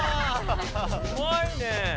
うまいね。